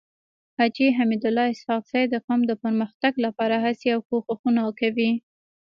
حاجي حميدالله اسحق زی د قوم د پرمختګ لپاره هڅي او کوښښونه کوي.